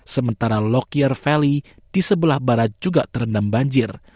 sementara locker valley di sebelah barat juga terendam banjir